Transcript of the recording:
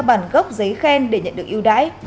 bản gốc giấy khen để nhận được yêu đáy